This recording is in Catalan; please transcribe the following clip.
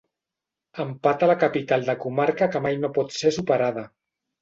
Empat a la capital de comarca que mai no pot ser superada.